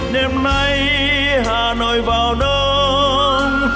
đêm nay hà nội vào đông